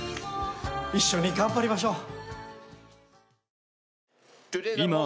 一緒に頑張りましょう。